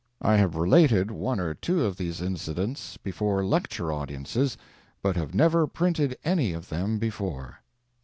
I have related one or two of these incidents before lecture audiences but have never printed any of them before.